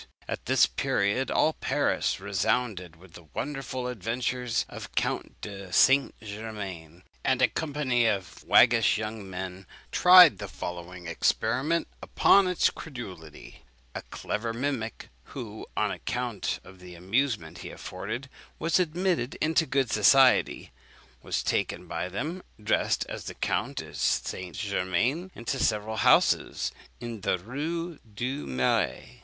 At this period all Paris resounded with the wonderful adventures of the Count de St. Germain; and a company of waggish young men tried the following experiment upon its credulity: A clever mimic, who, on account of the amusement he afforded, was admitted into good society, was taken by them, dressed as the Count de St. Germain, into several houses in the Rue du Marais.